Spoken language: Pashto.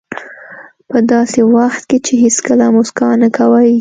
په داسې وخت کې چې هېڅکله موسکا نه کوئ.